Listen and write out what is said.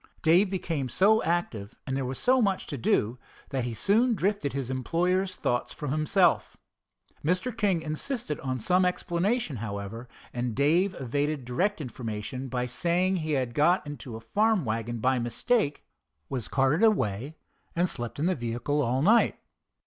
Dave became so active, and there was so much to do, that he soon drifted his employer's thoughts from himself. Mr. King insisted on some explanation, however, and Dave evaded direct information by saying he had got into a farm wagon by mistake, was carted away, and slept in the vehicle all night.